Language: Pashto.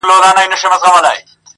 له خپل کوششه نا امیده نه وي,